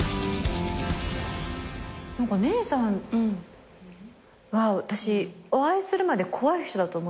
姉さんは私お会いするまで怖い人だと思ってて。